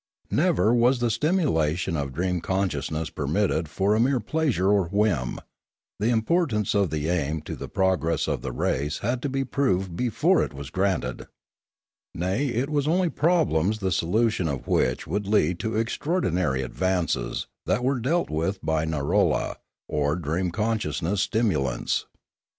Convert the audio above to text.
Never was the stimulation of dream consciousness permitted for a mere pleasure or whim; the importance of the aim to the progress of the race had to be proved before it was granted; nay it was only problems the solution of which would lead to extraordinary advances, that were dealt with by narolla or dream consciousness stimu lants.